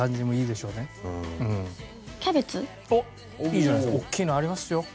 おっきいのありますよ。